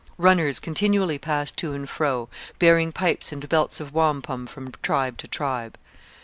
Runners continually passed to and fro, bearing pipes and belts of wampum from tribe to tribe.